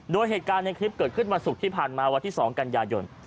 โดยเหตุการณ์ในคลิปเกิดขึ้นวันศุกร์ที่ผ่านมาวันที่๒กันยายน